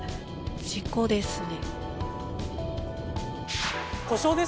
事故ですね。